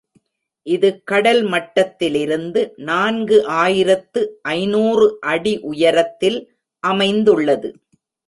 இது கடல் மட்டத்திலிருந்து நான்கு ஆயிரத்து ஐநூறு அடி உயரத்தில் அமைந்துள்ளது.